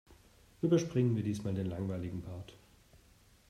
Überspringen wir diesmal den langweiligen Part.